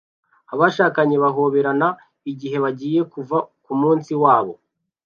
Abashakanye bahoberana igihe bagiye kuva ku munsi wabo